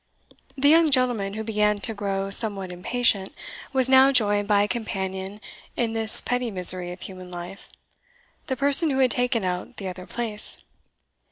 The young gentleman, who began to grow somewhat impatient, was now joined by a companion in this petty misery of human life the person who had taken out the other place.